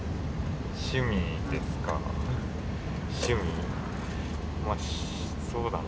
趣味ですか趣味そうだな。